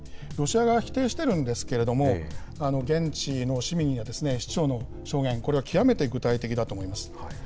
ロシア側は否定してるんですけれども、現地の市民や市長の証言、これは極めて具体的だと思います。